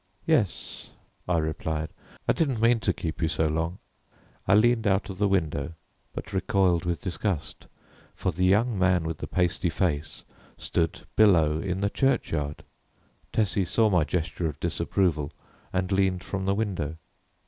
"Yes," I replied, "I didn't mean to keep you so long." I leaned out of the window but recoiled with disgust, for the young man with the pasty face stood below in the churchyard. Tessie saw my gesture of disapproval and leaned from the window.